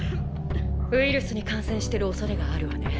ウイルスに感染してるおそれがあるわね。